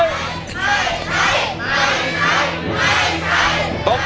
ไม่ใช้